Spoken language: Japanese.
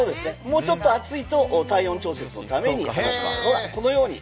もうちょっと暑いと体温調節のために。